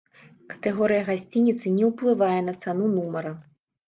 Катэгорыя гасцініцы не ўплывае на цану нумара.